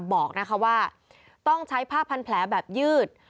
บอกว่าต้องใช้ผ้าพันแผลแบบยืด